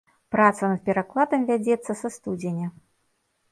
Праца над перакладам вядзецца са студзеня.